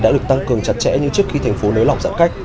đã được tăng cường chặt chẽ như trước khi thành phố nới lỏng giãn cách